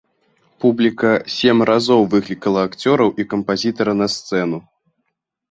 Публіка сем разоў выклікала акцёраў і кампазітара на сцэну.